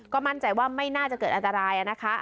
ก็มั่นใจว่าไม่น่าจะเกิดอันตรายนะคะ